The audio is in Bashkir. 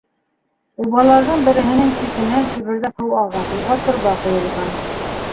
Убаларҙың береһенең ситенән сөбөрҙәп һыу аға - уға торба ҡуйылған.